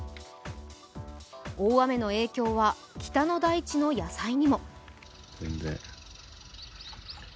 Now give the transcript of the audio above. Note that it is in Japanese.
大雨の影響は北の大地の野菜にも。